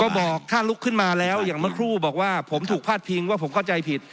ก็บอกถ้าลุกขึ้นมาแล้วอย่างเมื่อครู่บอกว่าผมถูกพาดพิงว่าผมเข้าใจผิด